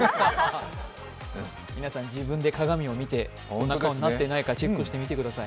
皆さん自分で鏡を見て、こんな顔になってないかチェックしてみてください。